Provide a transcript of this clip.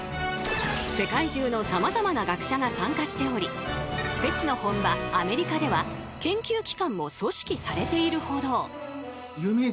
世界中のさまざまな学者が参加しておりＳＥＴＩの本場アメリカでは研究機関も組織されているほど。